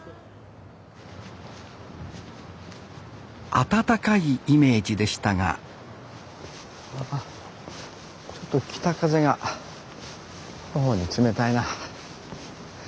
暖かいイメージでしたがちょっと北風が頬に冷たいな。